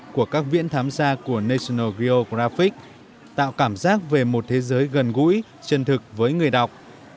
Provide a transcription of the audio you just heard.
của các viễn tham gia của national geographic tạo cảm giác về một thế giới gần gũi chân thực với người đọc